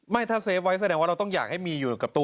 ไม่ถ้าเฟฟไว้แสดงว่าเราต้องอยากให้มีอยู่กับตัว